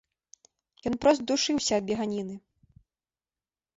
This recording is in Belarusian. Ён прост душыўся ад беганіны.